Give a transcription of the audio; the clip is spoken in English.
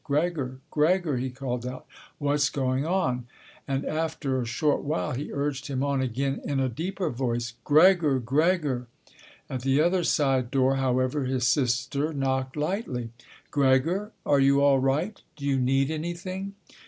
"Gregor, Gregor," he called out, "what's going on?" And, after a short while, he urged him on again in a deeper voice: "Gregor!" Gregor!" At the other side door, however, his sister knocked lightly. "Gregor? Are you all right? Do you need anything?"